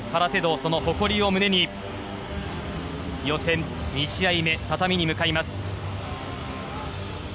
その誇りを胸に予選２試合目、畳に向かいます。